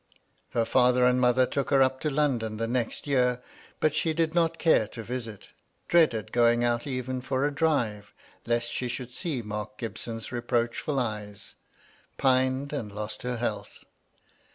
Her father and mother took her up to London the next year ; but she did not care to visit — dreaded going out even for a drive, lest she should see Mark Gibson's reproachful eyes — pined and lost her health.